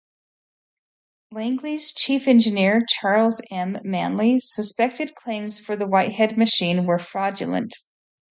Langley's chief engineer, Charles M. Manly, suspected claims for the Whitehead machine were fraudulent.